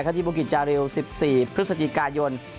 คราวที่บุกิจาริย์๑๔พฤศจิกายน